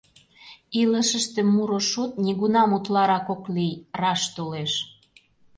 — Илышыште муро шот нигунам утларак ок лий, раш толеш.